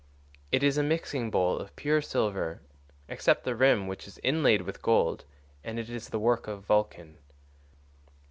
It is a mixing bowl of pure silver, except the rim, which is inlaid with gold, and it is the work of Vulcan.